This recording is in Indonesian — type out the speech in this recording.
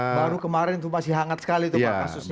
baru kemarin itu masih hangat sekali itu pak khasusnya pak